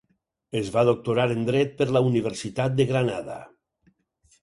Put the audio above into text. Es va doctorar en Dret per la Universitat de Granada.